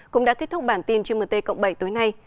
cũng đã kết thúc bản tin trên mt cộng bảy tối nay